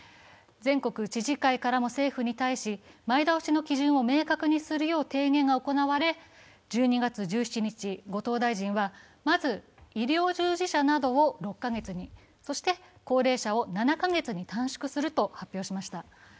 全国知事会からも政府に対し前倒しの基準を明確にするよう提言が行われ、１２月１７日、後藤大臣は、まず医療従事者などを６カ月に、そして高齢者を７カ月に短縮すると発表しました。